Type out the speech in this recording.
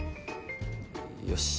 よし！